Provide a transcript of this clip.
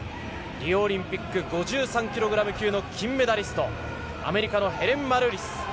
リオオリンピック５３ｋｇ級の金メダリスト、アメリカのヘレン・マルーリス。